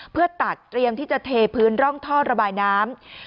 เพื่อตัดเตรียมที่จะเทพื้นร่องท่อระบายน้ำ